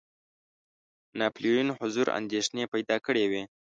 ناپولیون حضور اندېښنې پیدا کړي وې.